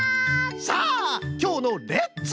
さあきょうの「レッツ！